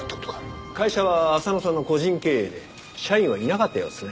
会社は浅野さんの個人経営で社員はいなかったようですね。